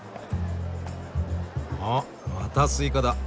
あまたスイカだ。